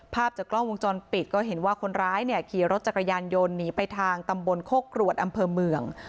ภาพจากกล้องวงจรปิดก็เห็นว่าคนร้ายเนี่ยขี่รถจักรยานยนต์หนีไปทางตำบลโคกรวดอำเภอเมือง